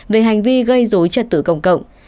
về hành vi gây dối trật tử công cộng